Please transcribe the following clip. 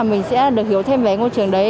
mình sẽ được hiểu thêm về ngôi trường đấy